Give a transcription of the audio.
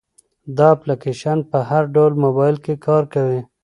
دا اپلیکیشن په هر ډول موبایل کې کار کوي.